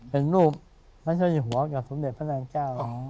เป็นรูปพระเจ้าอยู่หัวกับสมเด็จพระนางเจ้า